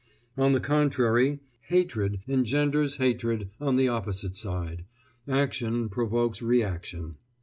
On the contrary, hatred engenders hatred on the opposite side, action provokes reaction.